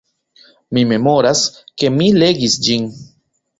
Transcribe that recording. Mi memoras, ke mi legis ĝin.